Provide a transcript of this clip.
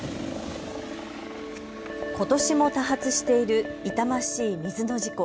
ことしも多発している痛ましい水の事故。